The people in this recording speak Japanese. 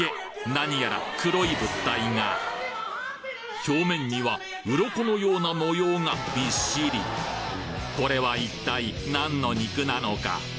何やら黒い物体が表面にはうろこのような模様がびっしりこれは一体何の肉なのか？